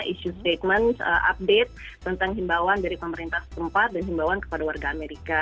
isu statement update tentang himbauan dari pemerintah setempat dan himbauan kepada warga amerika